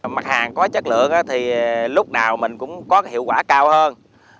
mặt hàng có chất lượng thì lúc nào mình cũng có hiệu quả cao hơn